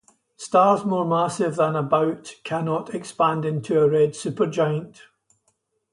Stars more massive than about cannot expand into a red supergiant.